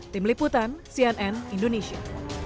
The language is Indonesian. tim liputan cnn indonesia